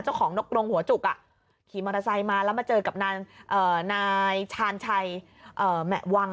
นกรงหัวจุกขี่มอเตอร์ไซค์มาแล้วมาเจอกับนายชาญชัยแหมะวัง